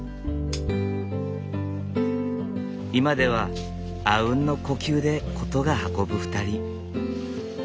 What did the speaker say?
今ではあうんの呼吸で事が運ぶ２人。